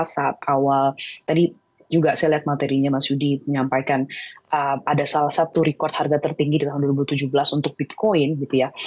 saat awal tadi juga saya lihat materinya mas yudi menyampaikan ada salah satu rekod harga tertinggi di tahun dua ribu tujuh belas untuk bitcoin gitu ya